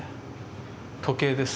時計です。